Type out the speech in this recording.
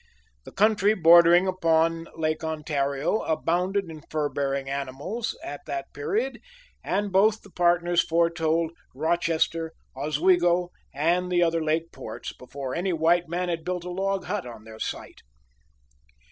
The country bordering upon Lake Ontario abounded in fur bearing animals at that period, and both the partners foretold Rochester, Oswego, and the other lake ports, before any white man had built a log hut on their site.